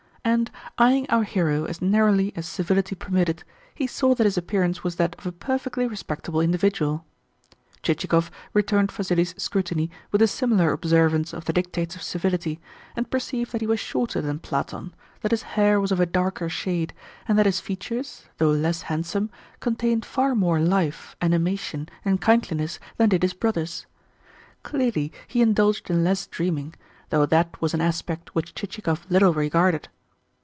And, eyeing our hero as narrowly as civility permitted, he saw that his appearance was that of a perfectly respectable individual. Chichikov returned Vassili's scrutiny with a similar observance of the dictates of civility, and perceived that he was shorter than Platon, that his hair was of a darker shade, and that his features, though less handsome, contained far more life, animation, and kindliness than did his brother's. Clearly he indulged in less dreaming, though that was an aspect which Chichikov little regarded.